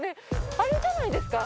あれじゃないですか？